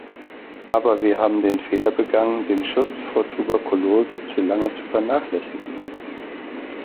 Aber wir haben den Fehler begangen, den Schutz vor Tuberkulose zu lange zu vernachlässigen.